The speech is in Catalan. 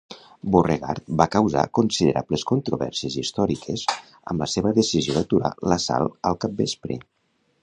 Beauregard va causar considerables controvèrsies històriques amb la seva decisió d'aturar l'assalt al capvespre.